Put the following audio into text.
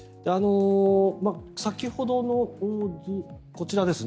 先ほどの図こちらですね。